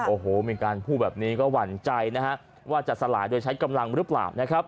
โอ้โหมีการพูดแบบนี้ก็หวั่นใจนะฮะว่าจะสลายโดยใช้กำลังหรือเปล่านะครับ